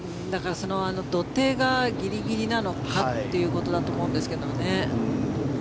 土手がギリギリなのかということだと思うんですがね。